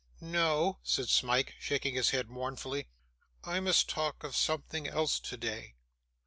'No,' said Smike, shaking his head mournfully; 'I must talk of something else today.